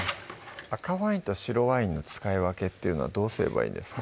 赤ワインと白ワインの使い分けっていうのはどうすればいいんですか？